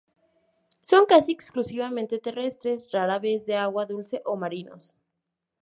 Son casi exclusivamente terrestres, rara vez de agua dulce o marinos.